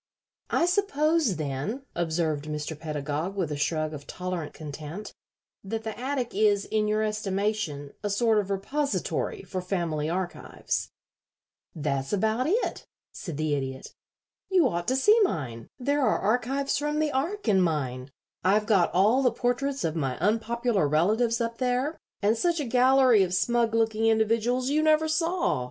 "I suppose, then," observed Mr. Pedagog, with a shrug of tolerant contempt, "that the attic is, in your estimation, a sort of repository for family archives." [Illustration: "'I SET OFF A GIANT CRACKER UNDER HIS CHAIR'"] "That's about it," said the Idiot. "You ought to see mine. There are archives from the Ark in mine. I've got all the portraits of my unpopular relatives up there, and such a gallery of smug looking individuals you never saw.